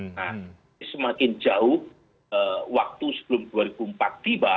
nah ini semakin jauh waktu sebelum dua ribu empat tiba